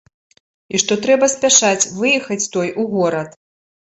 І што трэба спяшаць выехаць той у горад.